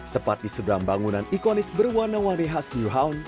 tepat di seberang bangunan ikonis berwarna wari khas nyhamf